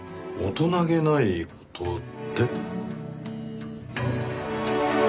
大人げない事って？